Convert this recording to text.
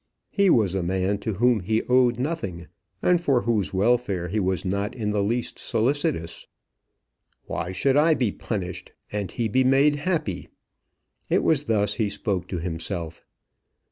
He was a man to whom he owed nothing, and for whose welfare he was not in the least solicitous. "Why should I be punished and he be made happy?" It was thus he spoke to himself.